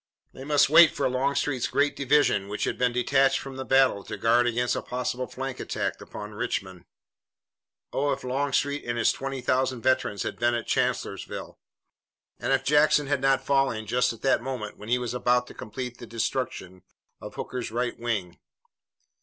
They must wait for Longstreet's great division, which had been detached from the battle to guard against a possible flank attack upon Richmond. Oh, if Longstreet and his twenty thousand veterans had been at Chancellorsville! And if Jackson had not fallen just at the moment when he was about to complete the destruction of Hooker's right wing!